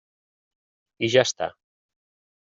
I ja està.